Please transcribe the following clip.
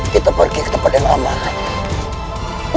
kita pergi ke tempat yang aman